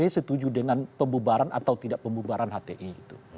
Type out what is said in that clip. apa pkb setuju dengan pemubaran atau tidak pemubaran hti gitu